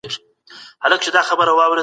فرد بايد د ټولني برخه وي.